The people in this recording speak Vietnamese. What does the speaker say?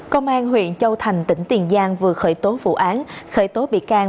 công an huyện châu thành tỉnh tiền giang vừa khởi tố vụ án khởi tố bị can